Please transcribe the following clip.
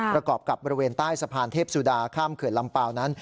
ประกอบกับบริเวณใต้สะพานเทพสุดาข้ามเขื่อนลำเปล่านั้น